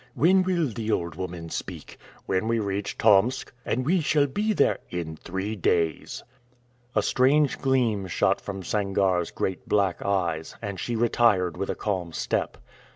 "When will the old woman speak?" "When we reach Tomsk." "And we shall be there " "In three days." A strange gleam shot from Sangarre's great black eyes, and she retired with a calm step.